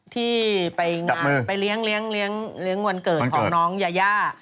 ที่ไปงานไปเลี้ยงวันเกิดของน้องยายา